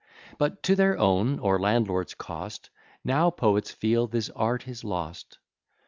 But, to their own or landlord's cost, Now Poets feel this art is lost.